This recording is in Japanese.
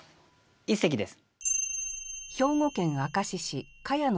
一席です。